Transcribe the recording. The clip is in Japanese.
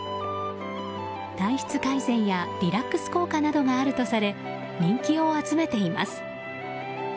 体質改善やリラックス効果などがあるとされ人気を集めています。